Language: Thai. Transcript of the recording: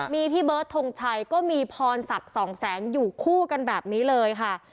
มีพี่เบิร์ดทงชัยก็มีพรศักดิ์สองแสงอยู่คู่กันแบบนี้เลยค่ะ